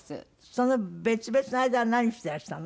その別々の間は何してらしたの？